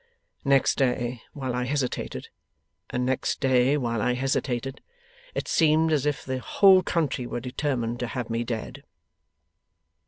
Next day while I hesitated, and next day while I hesitated, it seemed as if the whole country were determined to have me dead.